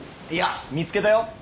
いや見つけたよ。